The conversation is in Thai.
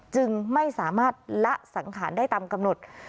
จึงไม่สามารถละสังขารได้ตามกำหนด